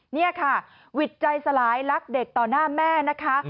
นี่ค่ะวิทย์ใจสลายรักเด็กต่อหน้าแม่นะคะ